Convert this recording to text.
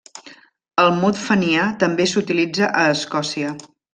El mot fenià també s'utilitza a Escòcia.